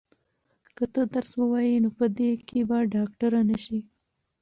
که ته درس ووایې نو په دې کې به ډاکټره نه شې.